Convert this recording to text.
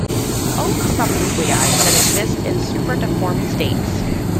Only some nuclei can exist in superdeformed states.